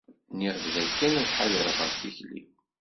Nniɣ-d dakken ad ḥadreɣ ɣef tikli-w.